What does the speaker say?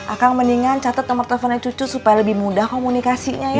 akan mendingan catat nomor teleponnya cucu supaya lebih mudah komunikasinya ya